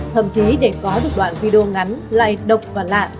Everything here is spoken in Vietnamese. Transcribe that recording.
thậm chí để có được đoạn video ngắn lại độc và lạ